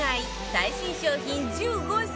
最新商品１５選